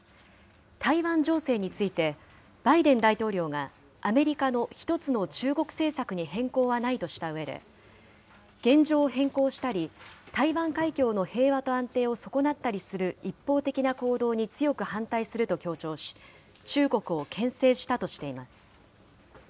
台湾情勢について、バイデン大統領が、アメリカの１つの中国政策に変更はないとしたうえで、現状を変更したり、台湾海峡の平和と安定を損なったりする一方的な行動に強く反対すると強調し、中国をけん制したとしています。